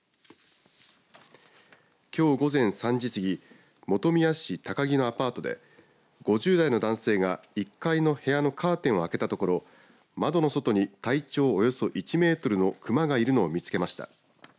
きょう午前３時過ぎ本宮市高木のアパートで５０代の男性が、１階の部屋のカーテンを開けたところ窓の外に体長およそ１メートルの熊がいるのを見つけました。